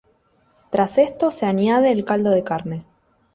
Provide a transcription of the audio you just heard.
Tras esto se añade el caldo de carne.